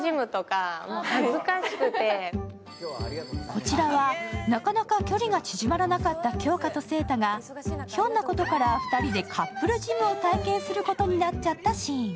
こちらは、なかなか距離が縮まらなかった杏花と晴太がひょんなことから２人でカップルジムを体験することになっちゃったシーン。